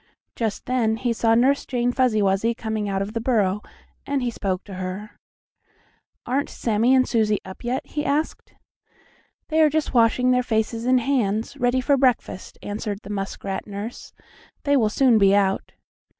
Just then he saw Nurse Jane Fuzzy Wuzzy coming out of the burrow, and he spoke to her: "Aren't Sammie and Susie up yet?" he asked. "They are just washing their faces and hands, ready for breakfast," answered the muskrat nurse. "They will soon be out."